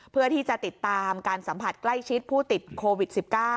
เพื่อที่จะติดตามการสัมผัสใกล้ชิดผู้ติดโควิด๑๙